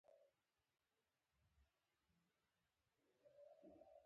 دا خورا سختې او زړه خوړونکې کیسې دي.